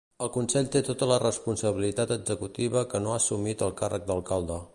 El Consell té tota la responsabilitat executiva que no ha assumit el càrrec d'alcalde.